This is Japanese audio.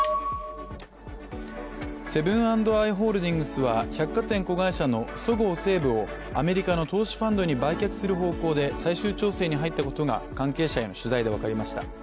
セブン＆アイ・ホールディングスは百貨店子会社のそごう・西武をアメリカの投資ファンドに売却する方向で最終調整に入ったことが関係者への取材で分かりました。